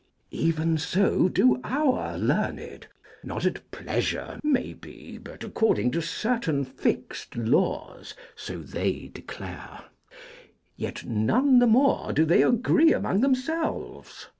Even so do our learned not at pleasure, maybe, but according to certain fixed laws (so they declare); yet none the more do they agree among themselves.